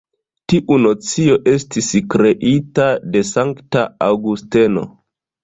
Tiu nocio estis kreita de sankta Aŭgusteno.